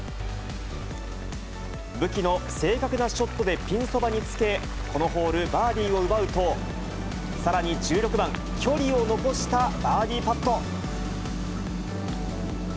武器の正確なショットでピンそばにつけ、このホール、バーディーを奪うと、さらに１６番、距離を残したバーディーパット。